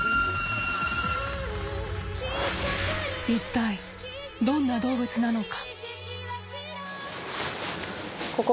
一体どんな動物なのか。